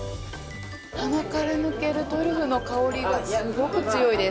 鼻から抜けるトリュフの香りがすごく強いです。